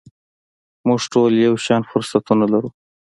موږ ټول یو شان فرصتونه لرو .